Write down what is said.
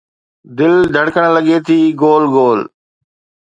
دل ڌڙڪڻ لڳي ٿي گول گول